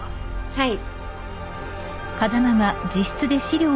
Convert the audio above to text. はい。